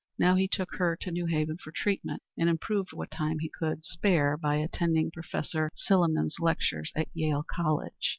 Now he took her to New Haven for treatment, and improved what time he could spare by attending Professor Silliman's lectures at Yale College.